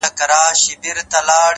سپوږمۍ ترې وشرمېږي او الماس اړوي سترگي”